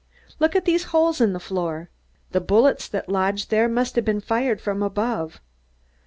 Look at these holes in the floor! The bullets that lodged there must have been fired from above.